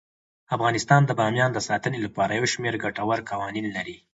افغانستان د بامیان د ساتنې لپاره یو شمیر ګټور قوانین لري.